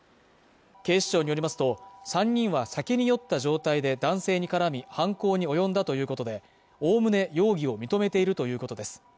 警視庁によりますと３人は酒に酔った状態で男性に絡み犯行に及んだということでおおむね容疑を認めているということです